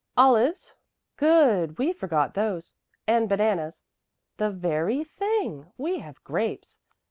"Olives " "Good! We forgot those." "And bananas " "The very thing! We have grapes."